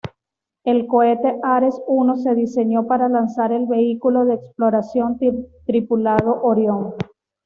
El cohete Ares I se diseñó para lanzar el vehículo de exploración tripulado Orión.